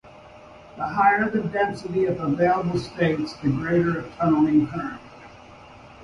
The higher the density of available states the greater the tunneling current.